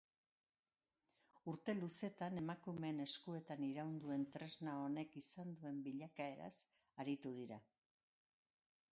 Urte luzetan emakumeen eskuetan iraun duen tresna honek izan duen bilakaeraz aritu dira.